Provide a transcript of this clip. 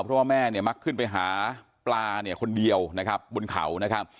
เพราะว่าแม่เนี่ยมักขึ้นไปหาปลาเนี่ยคนเดียวนะครับบนเขานะครับ